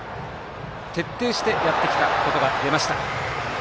徹底してやってきたことが出ました。